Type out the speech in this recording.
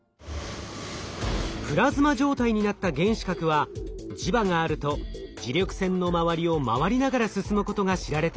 プラズマ状態になった原子核は磁場があると磁力線の周りを回りながら進むことが知られています。